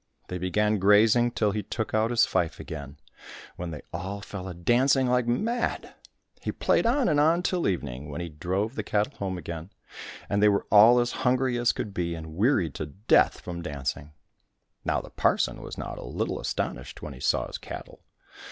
They began grazing till he took out his fife again, when they all fell a dancing like mad. He played on and on till evening, when he drove the cattle home again, and they were all as hungry as could be, and wearied to death from dancing. Now the parson was not a little astonished when he saw his cattle.